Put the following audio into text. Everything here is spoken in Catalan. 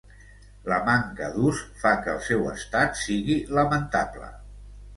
La manca d'ús fa que el seu estat sigui lamentable.